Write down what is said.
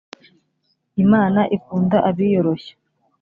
imana ikunda abiyoroshya